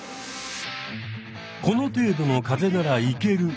この程度の風ならいける！